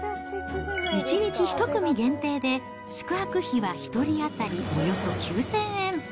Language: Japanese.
１日１組限定で、宿泊費は１人当たりおよそ９０００円。